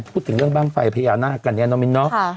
พูดถึงเรื่องบ้างไฟพญานาคกันเนี่ยน้องมิ้นเนาะ